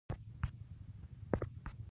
راځه دا مجموعه پوره کړو.